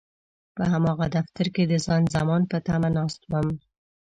په هماغه دفتر کې د خان زمان په تمه ناست وم.